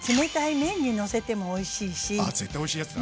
あっ絶対おいしいやつだ。